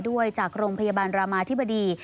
ด้วยจากโรงพยาบาลรามาธิบดี